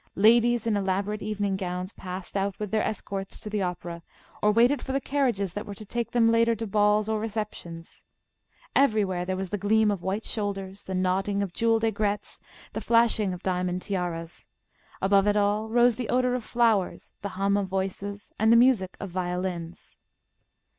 Ladies in elaborate evening gowns passed out with their escorts to the opera, or waited for the carriages that were to take them later to balls or receptions. Everywhere there was the gleam of white shoulders, the nodding of jewelled aigrettes, the flashing of diamond tiaras. Above it all rose the odour of flowers, the hum of voices, and the music of violins.